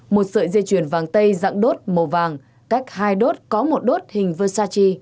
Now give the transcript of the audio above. một sợi dây chuyển vàng tây dạng đốt màu vàng cách hai đốt có một đốt hình versace